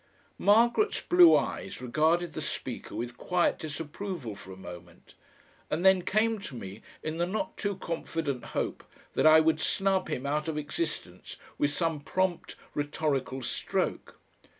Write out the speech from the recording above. Margaret's blue eyes regarded the speaker with quiet disapproval for a moment, and then came to me in the not too confident hope that I would snub him out of existence with some prompt rhetorical stroke.